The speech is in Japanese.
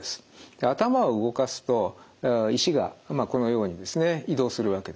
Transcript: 頭を動かすと石がこのようにですね移動するわけです。